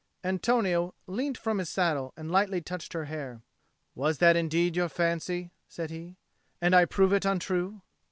Antonio leant from his saddle and lightly touched her hair. "Was that indeed your fancy?" said he. "And I prove it untrue?"